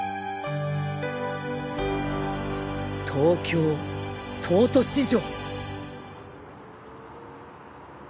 東京東都市場。